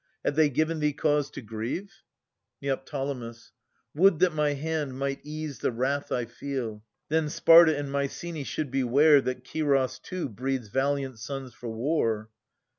Have they given thee cause to grieve? Ned. Would that my hand might ease the wrath I feel! Then Sparta and Mycenae should be ware That Scyros too breeds valiant sons for war.